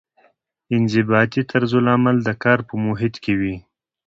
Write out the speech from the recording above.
انضباطي طرزالعمل د کار په محیط کې وي.